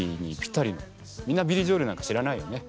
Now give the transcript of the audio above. みんなビリー・ジョエルなんか知らないよね？